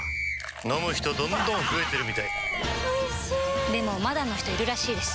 飲む人どんどん増えてるみたいおいしでもまだの人いるらしいですよ